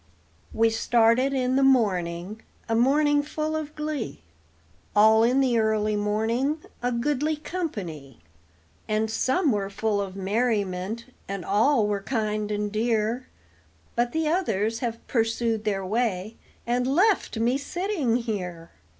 We started in the morning, a morning full of glee, All in the early morning, a goodly company; And some were full of merriment, and all were kind and dear: But the others have pursued their way, and left me sitting here.